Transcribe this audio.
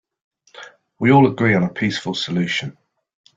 We all agree on a peaceful solution.